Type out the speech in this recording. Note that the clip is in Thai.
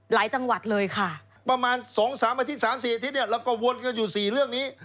หลายจังหวัดเลยประมาณ๒๓อาทิตย์แล้วก็วนกันอยู่สี่เรื่องนี้